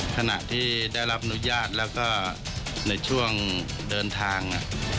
ขณะที่ได้รับอนุญาตแล้วก็ในช่วงเดินทาง